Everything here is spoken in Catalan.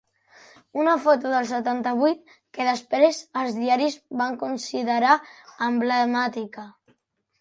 Una foto del setanta-vuit que després els diaris van considerar emblemàtica.